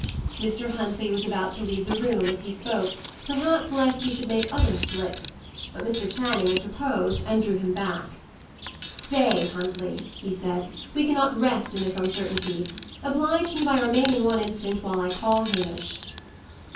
Mr. Huntley was about to leave the room as he spoke, perhaps lest he should make other "slips;" but Mr. Channing interposed and drew him back. "Stay, Huntley," he said, "we cannot rest in this uncertainty. Oblige me by remaining one instant, while I call Hamish."